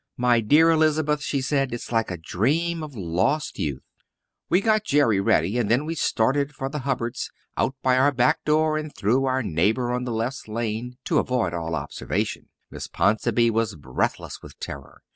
"My dear Elizabeth," she said, "it's like a dream of lost youth." We got Jerry ready and then we started for the Hubbards', out by our back door and through our neighbour on the left's lane to avoid all observation. Miss Ponsonby was breathless with terror.